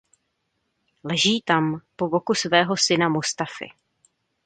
Leží tam po boku svého syna Mustafy.